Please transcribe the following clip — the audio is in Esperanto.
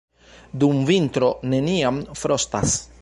Dum vintro neniam frostas.